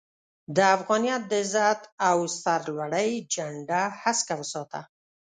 د افغانيت د عزت او سر لوړۍ جنډه هسکه وساته